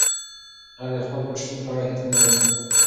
هغه د خپل پټ شتون په اړه هیڅ نه وايي.